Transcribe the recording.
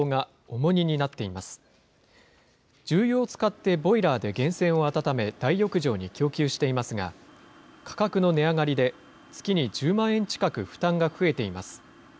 重油を使ってボイラーで源泉を温め、大浴場に供給していますが、価格の値上がりで、月に１０万円近く負担が増えています。